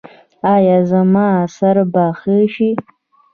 ایا زما سر به ښه شي؟